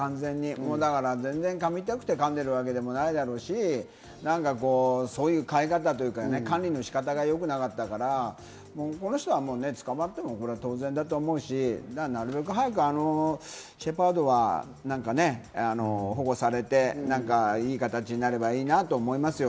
全然噛みたくて噛んでいるわけでもないだろうし、そういう飼い方とか管理の仕方が良くなかったから、この人は捕まっても当然だと思うし、なるべく早くシェパードは保護されて、いい形になればいいなと思いますよ。